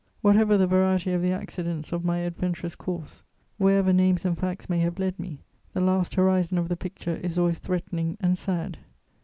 Whatever the variety of the accidents of my adventurous course, wherever names and facts may have led me, the last horizon of the picture is always threatening and sad.